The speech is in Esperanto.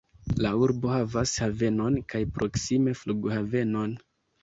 La urbo havas havenon kaj proksime flughavenon.